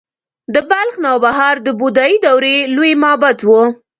د بلخ نوبهار د بودايي دورې لوی معبد و